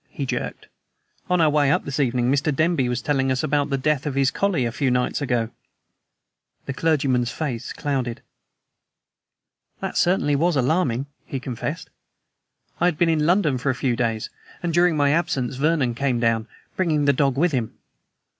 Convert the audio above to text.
he jerked. "On our way up this evening Mr. Denby was telling us about the death of his collie a few nights ago." The clergyman's face clouded. "That, certainly, was alarming," he confessed. "I had been in London for a few days, and during my absence Vernon came down, bringing the dog with him.